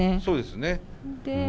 そうですね。